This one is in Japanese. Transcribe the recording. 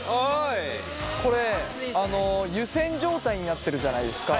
これ湯せん状態になってるじゃないですか。